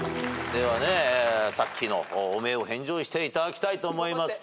ではさっきの汚名を返上していただきたいと思います。